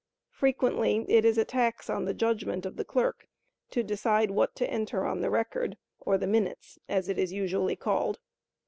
Frequently it is a tax on the judgment of the clerk to decide what to enter on the record, or the "Minutes," as it is usually called.